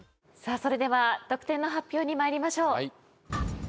それでは得点の発表に参りましょう。